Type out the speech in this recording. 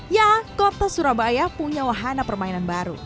ya kota surabaya punya wahana permainan baru